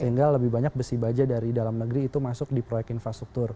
sehingga lebih banyak besi baja dari dalam negeri itu masuk di proyek infrastruktur